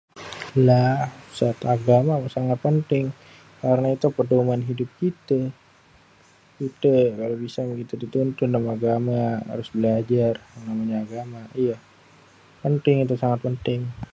lah [sét] agama itu sangat penting karena itu pédoman hidup kité, kité kalo bisa gitu gituan cuma agama harus belajar agama [iyé], pénting itu sangat pénting.